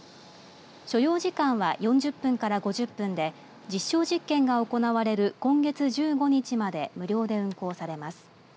所要時間は４０分から５０分で実証実験が行われる今月１５日まで無料で運行されます。